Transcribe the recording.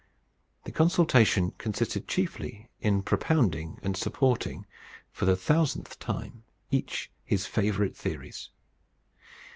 The consultation consisted chiefly in propounding and supporting, for the thousandth time, each his favourite theories.